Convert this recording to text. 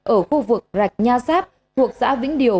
ở khu vực rạch nha sáp thuộc xã vĩnh điều